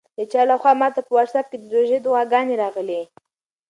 د چا لخوا ماته په واټساپ کې د روژې دعاګانې راغلې.